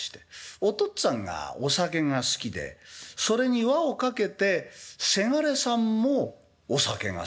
お父っつぁんがお酒が好きでそれに輪をかけてせがれさんもお酒が好きと。